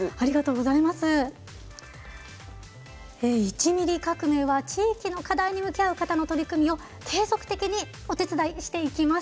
「１ミリ革命」は地域の課題に向き合う方の取り組みを継続的に続けてまいります。